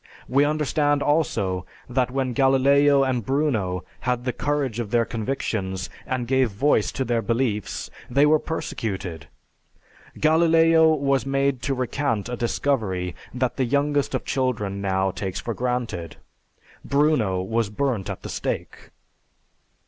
We understand also that when Galileo and Bruno had the courage of their convictions, and gave voice to their beliefs, they were persecuted. Galileo was made to recant a discovery that the youngest of children now takes for granted. Bruno was burnt at the stake.